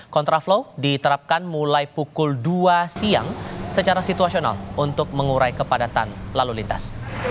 kontraflow diterapkan mulai pukul dua siang secara situasional untuk mengurai kepadatan lalu lintas